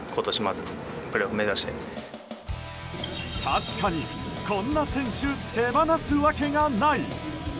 確かに、こんな選手手放すわけがない。